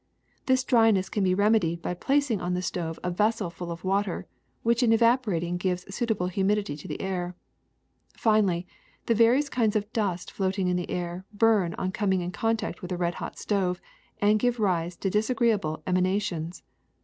This dryness can be remedied by placing on the stove a vessel full of water, which in evaporating gives suitable humidity to the air. Fi nally, the various kinds of dust floating in the air burn on coming in contact with the red hot stove, and give rise to disagreeable emanations.